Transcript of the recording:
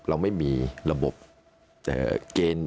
เราไม่มีระบบเกณฑ์